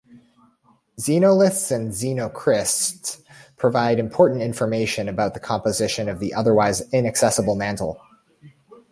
Xenoliths and xenocrysts provide important information about the composition of the otherwise inaccessible mantle.